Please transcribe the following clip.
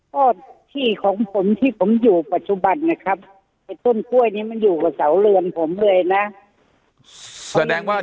ก็ที่ของผมที่ผมอยู่ปัจจุบันนะครับไอ้ต้นกล้วยนี้มันอยู่กับเสาเรือนผมเลยนะแสดงว่า